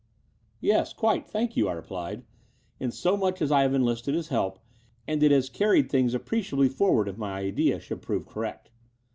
"Yes, quite, thank you," I replied, "in so much as I have enlisted his help; and it has carried things appreciably forward, if my idea should prove correct.